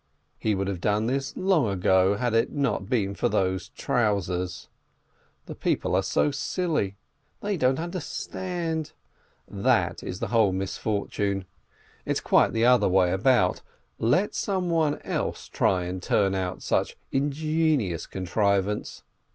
He would have done this long ago, had it not been for those trousers. The people are so silly, they don't under stand ! That is the whole misfortune ! And it's quite the other way about: let someone else try and turn out such an ingenious contrivance